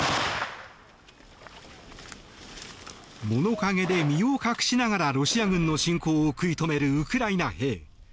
物陰で身を隠しながらロシア軍の侵攻を食い止めるウクライナ兵。